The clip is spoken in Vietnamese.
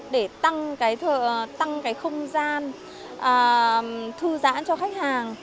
để tăng cái không gian thư giãn cho khách hàng